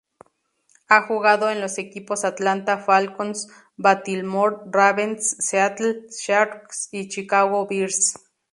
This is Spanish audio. Ha jugado en los equipos Atlanta Falcons, Baltimore Ravens, Seattle Seahawks y Chicago Bears.